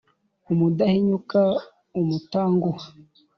umudahinyuka, umutanguha